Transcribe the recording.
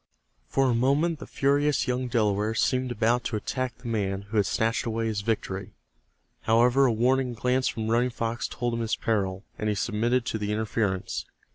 For a moment the furious young Delaware seemed about to attack the man who had snatched away his victory. However, a warning glance from Running Fox told him his peril, and he submitted to the interference.